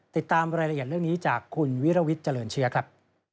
ติดตามรายละเอียดเรื่องนี้จากคุณวิรวิทย์เจริญเชื้อครับ